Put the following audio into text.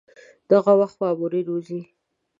دغه وخت مامورین وځي.